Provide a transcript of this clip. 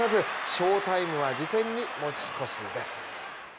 翔タイムは次戦に持ち越しです。